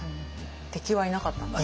敵はいなかったんですね。